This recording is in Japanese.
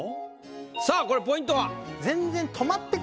さあこれポイントは？全然。